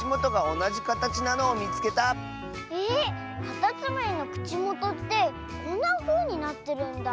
カタツムリのくちもとってこんなふうになってるんだ。